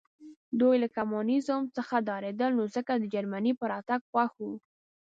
دوی له کمونیزم څخه ډارېدل نو ځکه د جرمني په راتګ خوښ وو